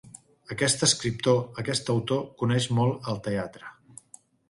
Aquest escriptor, aquest autor, coneix molt el teatre.